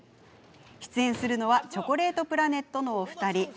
出演するのはチョコレートプラネットのお二人。